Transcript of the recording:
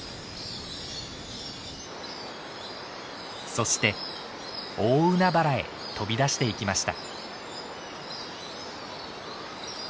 そして大海原へ飛び出していきました。